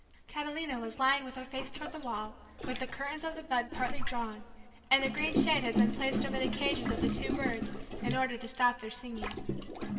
Catalina was lying with her face toward the wall with the curtains of the bed partly drawn, and a green shade had been placed over the cages of the two birds in order to stop their singing.